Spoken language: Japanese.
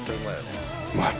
うまい！